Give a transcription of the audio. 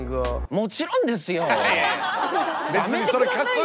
もちろんですよ。